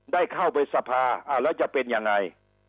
ได้เข้าไปสภาแล้วจะเป็นยังไง